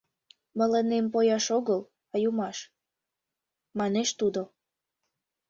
Мыланем пояш огыл, а йомаш», — манеш тудо.